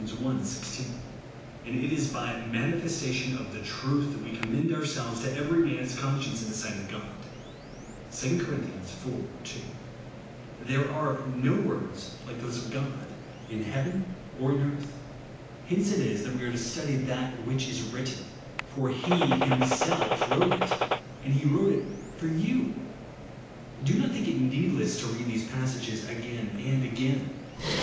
16) ; and it is by " manifestation of the truth'' that we commend ourselves to every man's con science in the sight of God, (2 Cor. iv. 2). There are no words hke those of God, m TRUTH OF TflE GOSrEU 85 heaven or in earth. Hence it is that we are to study that " which is written ;" for He himself wrote it ; and he wrote it foi you. Do not think it needless to read these passages again and again.